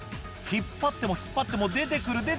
引っ張っても引っ張っても出て来る